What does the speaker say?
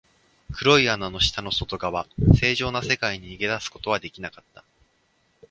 黒い穴の下の外側、正常な世界に逃げ出すことはできなかった。